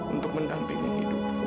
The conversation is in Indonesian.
untuk menampingi hidupku